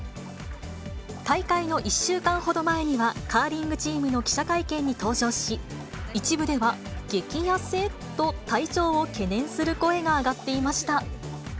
大会の１週間ほど前には、カーリングチームの記者会見に登場し、一部では激痩せ？と体調を懸念する声が上がっていました。